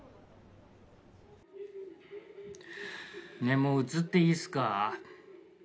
「ねぇもう写っていいっすか？」